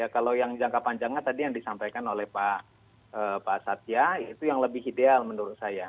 kalau yang jangka panjangnya tadi yang disampaikan oleh pak satya itu yang lebih ideal menurut saya